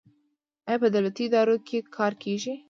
آیا په دولتي ادارو کې کار کیږي؟